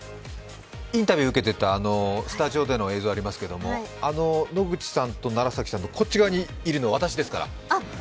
インタビューを受けていたスタジオでの映像ありますけど、あの野口さんと楢崎さんのこっち側にいるのは私ですから。